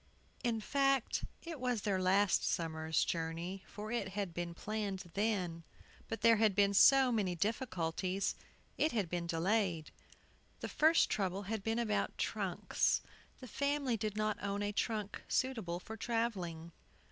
IN fact, it was their last summer's journey for it had been planned then; but there had been so many difficulties, it had been delayed. The first trouble had been about trunks. The family did not own a trunk suitable for travelling.